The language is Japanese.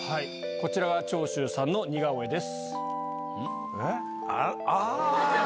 こちらが長州さんの似顔絵です。